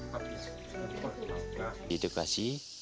pembangunan berkompensasi berupa hewan ternak